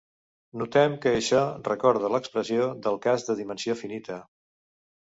Notem que això recorda l'expressió del cas de dimensió finita.